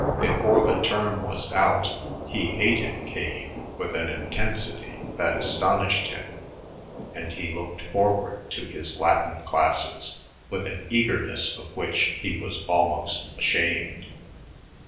Before the term was out he hated Kane with an intensity that astonished him, and he looked forward to his Latin classes with an eagerness of which he was almost ashamed.